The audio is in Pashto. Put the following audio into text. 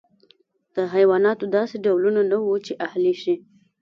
د حیواناتو داسې ډولونه نه وو چې اهلي شي.